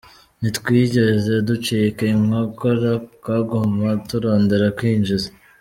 "Ntitwigeze ducika inkokora, twaguma turondera kwinjiza.